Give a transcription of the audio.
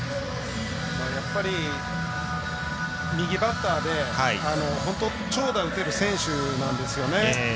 やっぱり右バッターで本当長打打てる選手なんですよね。